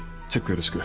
よろしく。